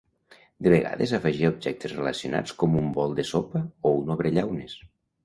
De vegades afegia objectes relacionats com un bol de sopa o un obrellaunes.